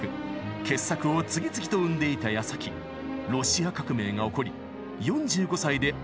傑作を次々と生んでいたやさきロシア革命が起こり４５歳でアメリカへ亡命。